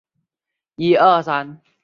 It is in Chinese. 近年有增长倾向。